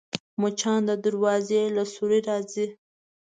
مچان د دروازې له سوري راځي